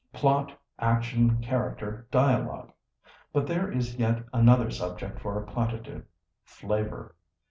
Plot, action, character, dialogue! But there is yet another subject for a platitude. Flavour!